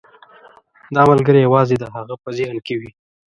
دا ملګری یوازې د هغه په ذهن کې وي.